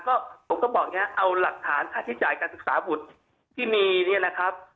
ก็ผมก็บอกอย่างนี้เอาหลักฐานค่าใช้จ่ายการศึกษาบุตรที่มีเนี่ยนะครับ